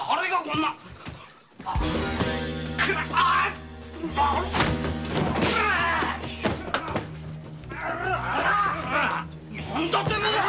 なんだてめえら。